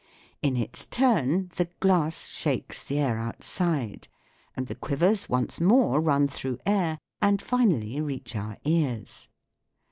In its turn the glass shakes the air outside, and the quivers once more run through air and finally reach our ears.